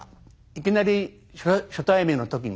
いきなり初対面の時に。